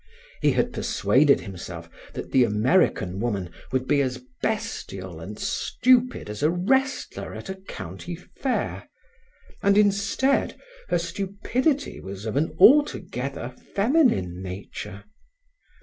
He had persuaded himself that the American woman would be as bestial and stupid as a wrestler at a county fair, and instead her stupidity was of an altogether feminine nature.